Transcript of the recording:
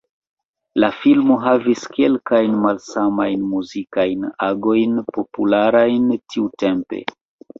La filmo havis kelkajn malsamajn muzikajn agojn popularajn tiutempe.